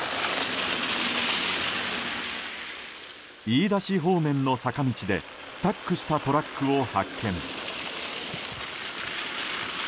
飯田市方面の坂道でスタックしたトラックを発見。